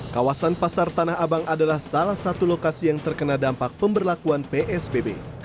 kawasan pasar tanah abang adalah salah satu lokasi yang terkena dampak pemberlakuan psbb